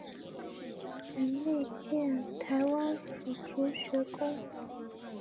任内建台湾府儒学宫。